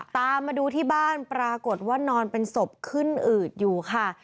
ตามมาดูที่บ้านปรากฏว่านอนเป็นศพขึ้นอืดอยู่ค่ะ